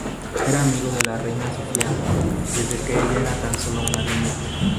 Era amigo de la Reina Sofía, desde que ella era tan sólo una niña.